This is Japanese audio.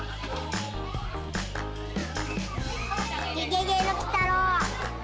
ゲゲゲのきたろう。